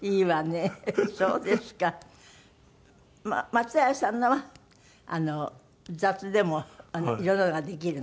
松平さんのは雑でも色んなのができる？